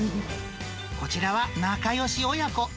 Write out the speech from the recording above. こちらは仲よし親子。